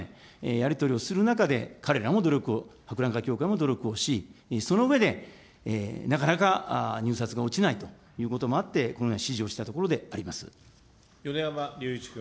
やり取りをする中で彼らも努力を、博覧会協会も努力をし、その上でなかなか入札が落ちないということもあって、この前、米山隆一君。